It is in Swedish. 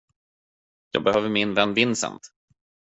Jag behöver min vän Vincent.